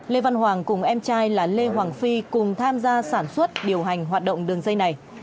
lê văn hoàng cùng em trai là lê hoàng phi cùng tham gia sản xuất điều hành hoạt động đường dây này